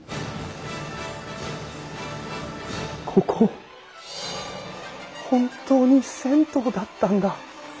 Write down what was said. ここ本当に銭湯だったんだ。